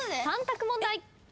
３択問題。